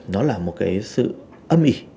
nó là một cái sự âm ỉ